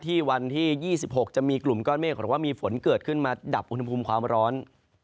วันที่๒๖จะมีกลุ่มก้อนเมฆหรือว่ามีฝนเกิดขึ้นมาดับอุณหภูมิความร้อน